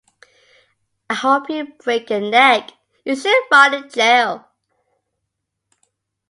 "I hope you break your neck", "You should rot in jail".